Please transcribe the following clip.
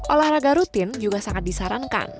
olahraga rutin juga sangat disarankan